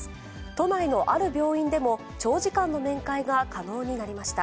都内のある病院でも、長時間の面会が可能になりました。